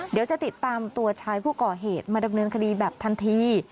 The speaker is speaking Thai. เดี๋ยวจะติดตามตัวชายผู้ก่อเหตุมาดำเนินคดีแบบทันที